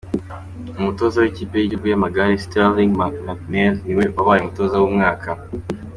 Umutoza w’Ikipe y’Igihugu y’Amagare, Sterling Magnell, niwe wabaye umutoza w’umwaka.